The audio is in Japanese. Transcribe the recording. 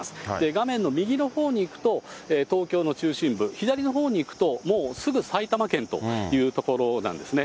画面の右のほうに行くと、東京の中心部、左のほうに行くと、もうすぐ埼玉県という所なんですね。